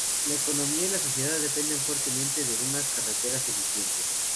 La economía y la sociedad dependen fuertemente de unas carreteras eficientes.